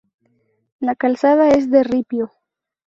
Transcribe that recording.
La calzada es de ripio.